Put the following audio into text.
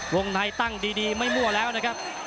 วงในตั้งดีไม่มั่วแล้วนะครับ